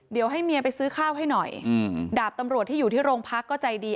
เดี๋ยวให้เมียไปซื้อข้าวให้หน่อยดาบตำรวจที่อยู่ที่โรงพักก็ใจดี